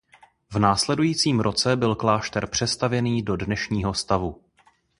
V následujícím roce byl klášter přestavěný do dnešního stavu.